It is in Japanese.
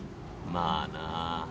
まあな。